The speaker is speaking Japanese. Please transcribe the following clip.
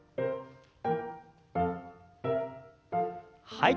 はい。